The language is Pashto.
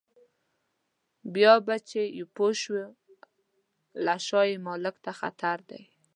بیا به چې پوه شو له شا یې مالک ته خطر دی.